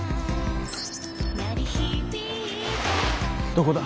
どこだ？